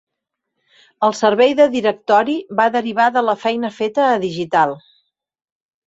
El servei de directori va derivar de la feina feta a Digital.